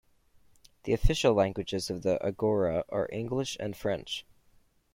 The official languages of the Agora are English and French.